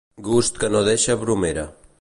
Gust que no deixa bromera.